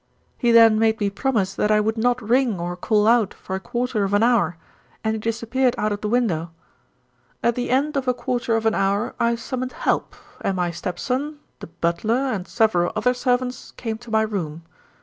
"He then made me promise that I would not ring or call out for a quarter of an hour, and he disappeared out of the window. "At the end of a quarter of an hour I summoned help, and my stepson, the butler, and several other servants came to my room.